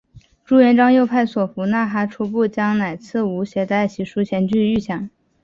朱元璋又派所俘纳哈出部将乃剌吾携带玺书前去谕降。